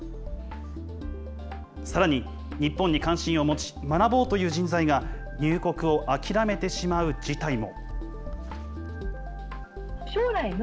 さらに、日本に関心を持ち、学ぼうという人材が入国を諦めてしまう事態も。